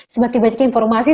semakin banyak informasi